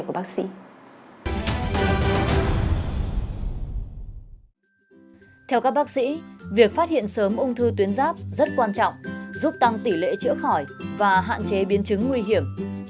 theo các bác sĩ việc phát hiện sớm ung thư tuyến giáp rất quan trọng giúp tăng tỷ lệ chữa khỏi và hạn chế biến chứng nguy hiểm